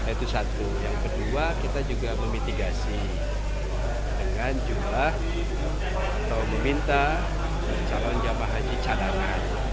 itu satu yang kedua kita juga memitigasi dengan jumlah atau meminta calon jamaah haji cadangan